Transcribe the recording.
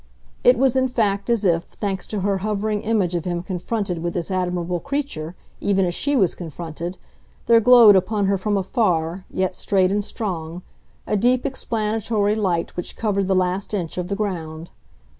It was in fact as if, thanks to her hovering image of him confronted with this admirable creature even as she was confronted, there glowed upon her from afar, yet straight and strong, a deep explanatory light which covered the last inch of the ground.